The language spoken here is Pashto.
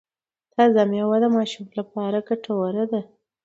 تازه میوه د ماشوم لپاره ګټوره ده۔